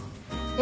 え。